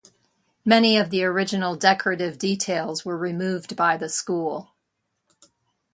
Many of the original decorative details were removed by the school.